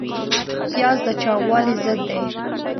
پیاز د چاغوالي ضد دی